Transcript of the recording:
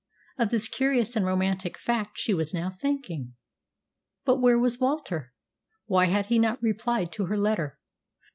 Of this curious and romantic fact she was now thinking. But where was Walter? Why had he not replied to her letter?